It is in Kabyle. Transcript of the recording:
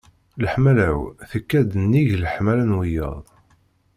Leḥmala-w tekka-d nnig leḥmala n wiyaḍ.